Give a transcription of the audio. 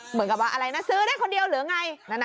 เหมือนกับว่าอะไรนะซื้อได้คนเดียวหรือไง